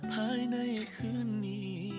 ภายในคืนนี้